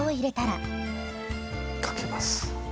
かけます。